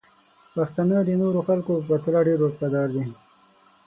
پښتانه د نورو خلکو په پرتله ډیر وفادار دي.